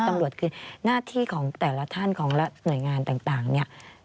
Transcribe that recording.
ตำรวจคือหน้าที่ของแต่ละท่านของและหน่วยงานต่างเนี่ย